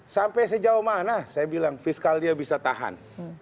sampai sejauh mana saya bilang fiskalnya bisa tahan